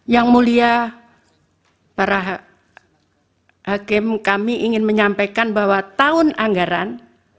yang mulia para hakim kami ingin menyampaikan bahwa tahun anggaran